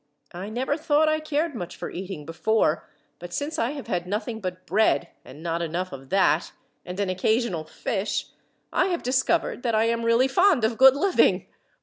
I never thought I cared much for eating before, but since I have had nothing but bread and not enough of that and an occasional fish, I have discovered that I am really fond of good living.